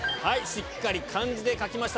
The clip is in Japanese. しっかり漢字で書きました。